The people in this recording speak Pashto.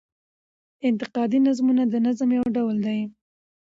انتقادي نظمونه د نظم يو ډول دﺉ.